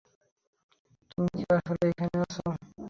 তুমি কি আসলেই এখানে আছ?